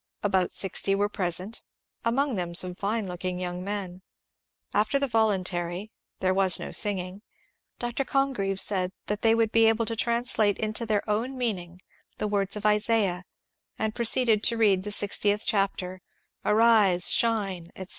About sixty were present, among them some fine looking young men. After the voluntary — there was no singing — Dr. Congreve said that they would be able to translate into their own mean ing the words of Isaiah, and proceeded to read the sixtieth chapter, "Arise, shine," etc.